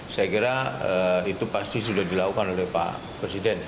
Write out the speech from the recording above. saya kira itu pasti sudah dilakukan oleh pak presiden